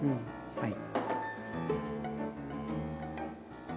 はい。